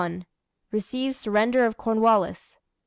Receives surrender of Cornwallis.